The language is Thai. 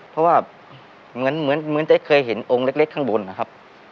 เพราะว่าเหมือนจะเคยเห็นองค์เล็กข้างบนนะครับ